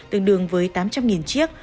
tương đương với tám trăm linh chiếc